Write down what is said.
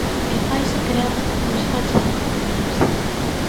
E faise creándonos dúas falsas dicotomías.